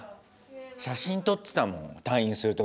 写真撮ってたもん退院する時。